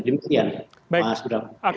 demikian pak suram